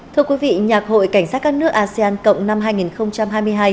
thưa quý vị nhạc hội cảnh sát các nước asean cộng năm hai nghìn hai mươi hai